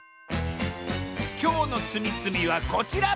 きょうのつみつみはこちら！